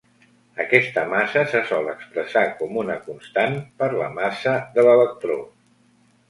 Aquesta massa se sol expressar com una constant per la massa de l'electró.